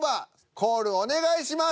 コールをお願いします。